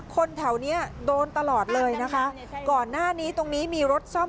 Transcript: คนแถวเนี้ยโดนตลอดเลยนะคะก่อนหน้านี้ตรงนี้มีรถซ่อม